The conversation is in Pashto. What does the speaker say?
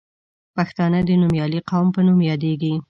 پښتانه د نومیالي قوم په نوم یادیږي.